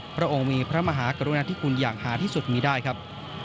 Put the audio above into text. พระองค์มีพระมหากรุณาธิคุณอย่างหาที่สุดมีได้ครับ